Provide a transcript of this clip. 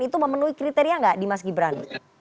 itu memenuhi kriteria nggak di mas gibran